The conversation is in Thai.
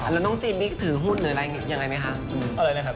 เจ๊ย่าแล้วต้องจีนบิ๊กถือหุ้นหรืออะไรอย่างไรไหมค่ะอืมอะไรนะครับ